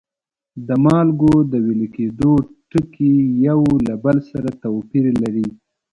د مالګو د ویلي کیدو ټکي یو له بل سره توپیر لري.